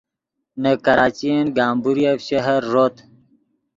نے کراچین گمبوریف شہر ݱوت